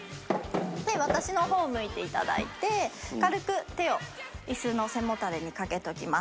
で私の方を向いていただいて軽く手を椅子の背もたれにかけておきます。